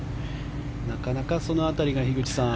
なかなかその辺りが樋口さん。